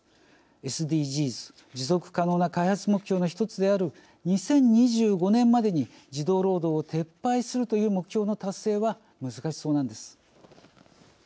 ＳＤＧｓ・持続可能な開発目標の一つである２０２５年までに児童労働を撤廃するという目標の達成は難しそうなんです。